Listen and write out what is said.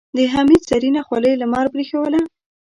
د حميد زرينه خولۍ لمر برېښوله.